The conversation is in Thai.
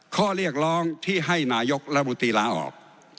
ข้อเรียกร้องที่ให้นายกรัฐมนตรีลาออก